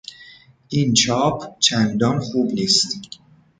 این چاپ چندان خوب نیست.